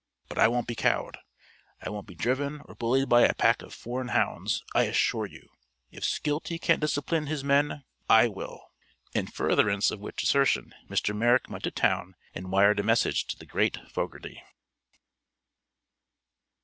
But I won't be cowed; I won't be driven or bullied by a pack of foreign hounds, I assure you! If Skeelty can't discipline his men, I will." In furtherance of which assertion, Mr. Merrick went to town and wired a message to the great Fogerty.